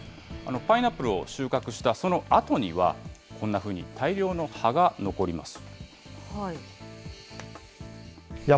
パイナップルを収穫したそのあとには、こんなふうに大量の葉が残ります。